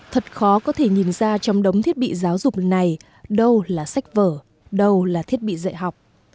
thật khó có thể nhìn ra trong đống thiết bị giáo dục này đâu là sách vở đâu là thiết bị dạy học